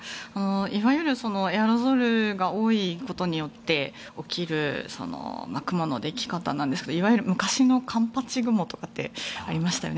いわゆるエアロゾルが多いことによって起きる雲のでき方なんですがいわゆる昔の環八雲とかってありましたよね。